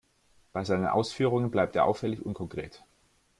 Bei seinen Ausführungen bleibt er auffällig unkonkret.